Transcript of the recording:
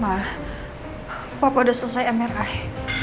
ma papa udah selesai mri